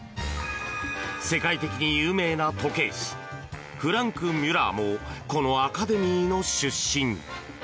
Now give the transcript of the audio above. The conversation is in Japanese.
世界的に有名な時計師フランク・ミュラーもこのアカデミーの出身。